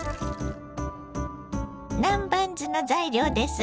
南蛮酢の材料です。